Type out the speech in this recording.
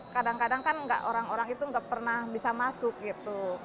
kadang kadang kan orang orang itu nggak pernah bisa masuk gitu